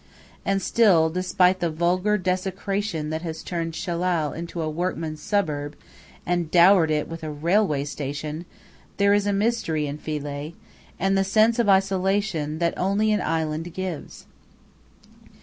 And still, despite the vulgar desecration that has turned Shellal into a workmen's suburb and dowered it with a railway station, there is a mystery in Philae, and the sense of isolation that only an island gives.